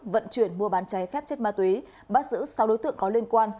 vận chuyển mua bán cháy phép chất ma túy bắt giữ sáu đối tượng có liên quan